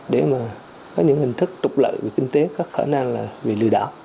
để mà có những hình thức trục lợi về kinh tế có khả năng là bị lừa đảo